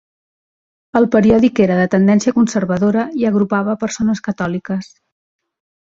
El periòdic era de tendència conservadora i agrupava a persones catòliques.